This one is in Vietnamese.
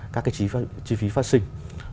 các cái chi phí phát sinh